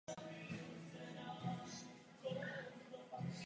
Působil jako horník a dělnický aktivista.